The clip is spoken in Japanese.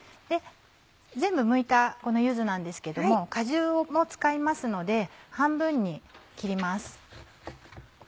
全部むいたこの柚子なんですけども果汁も使いますので半分に切ります。